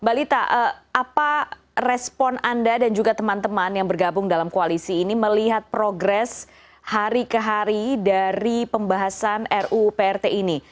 mbak lita apa respon anda dan juga teman teman yang bergabung dalam koalisi ini melihat progres hari ke hari dari pembahasan ruprt ini